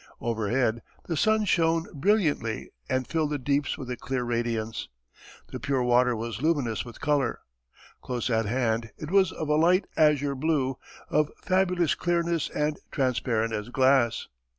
Overhead the sun shone brilliantly and filled the deeps with a clear radiance. The pure water was luminous with colour close at hand it was of a light azure blue, of fabulous clearness and transparent as glass.